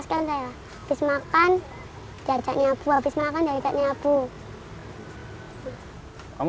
habis makan dihargai nyabu